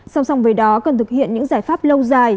song song với đó cần thực hiện những giải pháp lâu dài